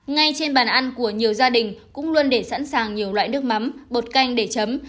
ngay trên bàn ăn của nhiều gia đình cũng luôn để sẵn sàng nhiều loại nước mắm bột canh để chấm